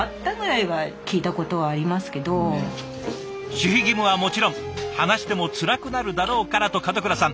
守秘義務はもちろん話してもつらくなるだろうからと門倉さん